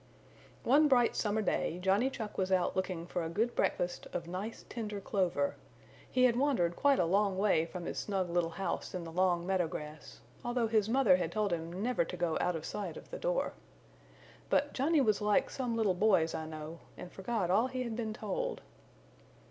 One bright summer day Johnny Chuck was out looking for a good breakfast of nice tender clover. He had wandered quite a long way from his snug little house in the long meadow grass, although his mother had told him never to go out of sight of the door. But Johnny was like some little boys I know, and forgot all he had been told.